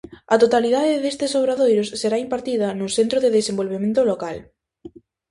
A totalidade destes obradoiros será impartida no Centro de Desenvolvemento Local.